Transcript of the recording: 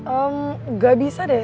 emm gak bisa deh